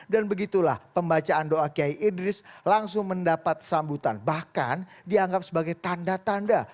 dan begitulah pembacaan doa kyai idris langsung mendapat sambutan bahkan dianggap sebagai tanda tanda